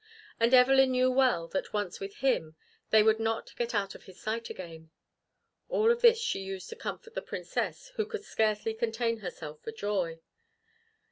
And Evelyn knew well that once with him, they would not get out of his sight again. All of this she used to comfort the Princess who could scarcely contain herself for joy.